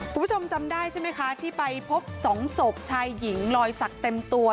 คุณผู้ชมจำได้ใช่ไหมคะที่ไปพบสองศพชายหญิงลอยสักเต็มตัว